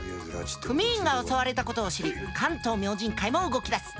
組員が襲われたことを知り関東明神会も動きだす。